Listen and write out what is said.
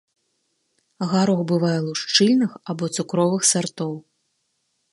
Гарох бывае лушчыльных або цукровых сартоў.